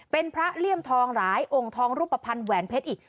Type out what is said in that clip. เป็นพระเลี่ยมทองหลายองค์ทองรูปภัณฑ์แหวนเพชรอีก